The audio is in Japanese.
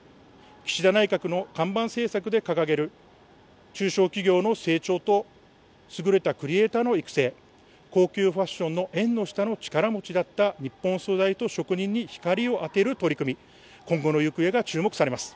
岸田内閣の看板政策で掲げる中小企業の成長と優れたクリエーターの育成、高級ファッションの縁の下の力だった日本の素材と職人に光を当てる取り組み